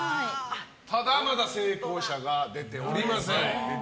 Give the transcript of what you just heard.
ただ、まだ成功者が出ておりません。